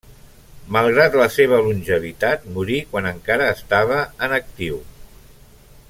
Malgrat la seva longevitat, morí quan encara estava en actiu.